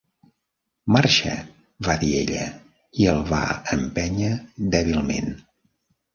"Marxa" va dir ella, i el va empènyer dèbilment.